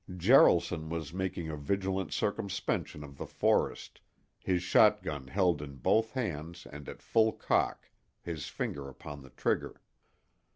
Jaralson was making a vigilant circumspection of the forest, his shotgun held in both hands and at full cock, his finger upon the trigger.